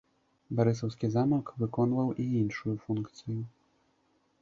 Барысаўскі замак выконваў і іншую функцыю.